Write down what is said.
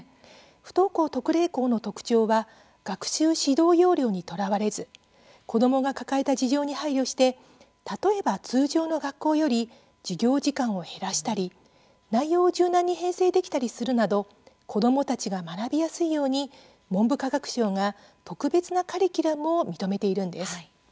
不登校特例校の特徴は学習指導要領にとらわれず子どもが抱えた事情に配慮して例えば、通常の学校より授業時間を減らしたり、内容を柔軟に編成できたりするなど子どもたちが学びやすいように文部科学省が特別なカリキュラムを認めているんです。